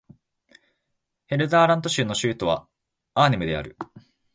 ヘルダーラント州の州都はアーネムである